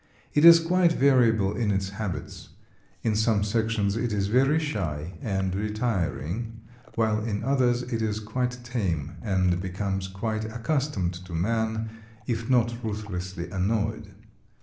It is quite variable in its habits. In some sections it is very shy and retiring, while in others it is quite tame and becomes quite accustomed to man if not ruthlessly annoyed.